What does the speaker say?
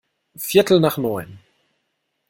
Viertel nach neun.